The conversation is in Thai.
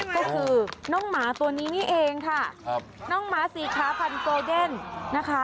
ก็คือน้องหมาตัวนี้นี่เองค่ะครับน้องหมาสีขาวพันโกเดนนะคะ